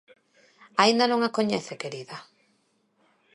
_Aínda non a coñece, querida.